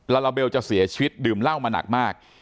ลาลาเบลจะเสียชีวิตดื่มเหล้ามาหนักมาก